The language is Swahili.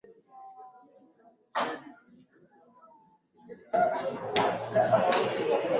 Jimbo hili linapatikana katika Kaunti ya Pokot Magharibi.